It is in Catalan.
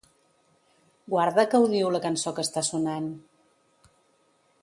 Guarda que odio la cançó que està sonant.